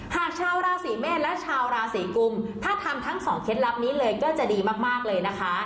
หากชาวราศีเมษและชาวราศีกุมถ้าทำทั้งสองเคล็ดลับนี้เลยก็จะดีมากเลยนะคะ